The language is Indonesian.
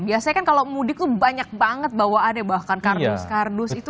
biasanya kan kalau mudik tuh banyak banget bawaannya bahkan kardus kardus itu